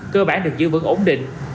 cơ bản được giữ vững ổn định